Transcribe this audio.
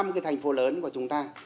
năm cái thành phố lớn của chúng ta